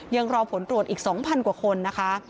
ยังรอผลตรวจอีก๒๐๐กว่าคนนะคะ